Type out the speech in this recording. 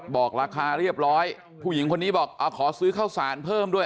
บอกราคาเรียบร้อยผู้หญิงคนนี้บอกขอซื้อข้าวสารเพิ่มด้วย